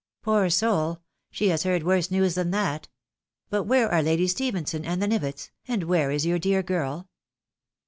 Poor soul 1 she has heard worse news than that ! But where are Lady Ste phenson and the Nivetts, and where is your dear gifl